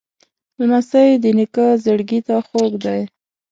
لمسی د نیکه زړګي ته خوږ دی.